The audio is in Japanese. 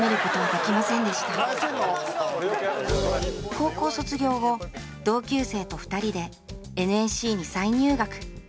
高校卒業後同級生と２人で ＮＳＣ に再入学